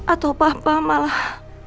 atau papa malah